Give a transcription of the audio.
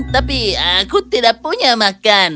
tapi aku tidak punya makan